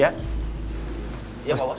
iya pak bos